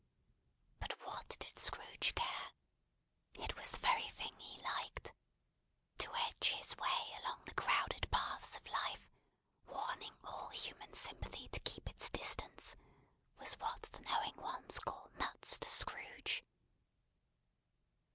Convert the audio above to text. But what did Scrooge care! It was the very thing he liked. To edge his way along the crowded paths of life, warning all human sympathy to keep its distance, was what the knowing ones call "nuts" to Scrooge.